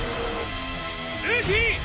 ルーキー！